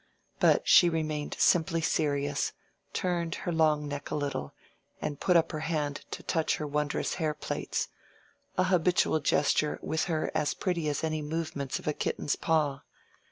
But she remained simply serious, turned her long neck a little, and put up her hand to touch her wondrous hair plaits—an habitual gesture with her as pretty as any movements of a kitten's paw.